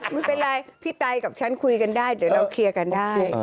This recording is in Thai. ไม่เป็นไรพี่ไตกับฉันคุยกันได้เดี๋ยวเราเคลียร์กันได้